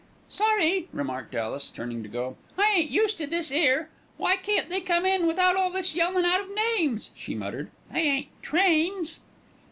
"Sorry," remarked Alice, turning to go. "I ain't used to this 'ere. Why can't they come in without all this yelling out of names?" she muttered. "They ain't trains."